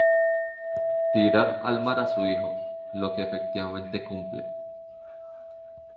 Tirar al mar a su hijo, lo que efectivamente cumple.